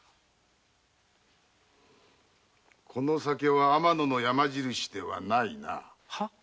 この酒は「天野の山印」ではないな。